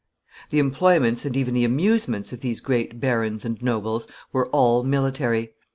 ] The employments, and even the amusements of these great barons and nobles, were all military.